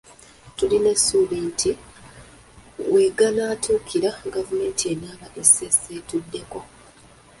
Tulina essuubi nti we ganaatuukira gavumenti enaaba eseesetuddeko.